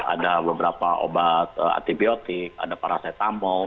ada beberapa obat antibiotik ada paracetamol